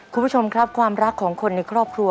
คุณผู้ชมครับความรักของคนในครอบครัว